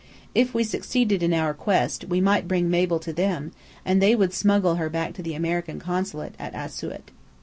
If we succeeded in our quest, we might bring Mabel to them, and they would smuggle her back to the American Consulate at Asiut.